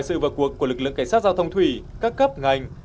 sự vào cuộc của lực lượng cảnh sát giao thông thủy các cấp ngành